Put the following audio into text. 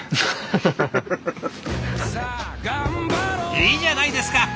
いいじゃないですか！